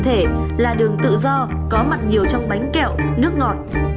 thể là đường tự do có mặt nhiều trong bánh kẹo nước ngọt